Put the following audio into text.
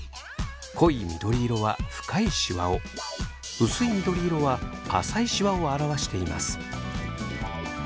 濃い緑色は深いシワを薄い緑色は浅いシワを表しています。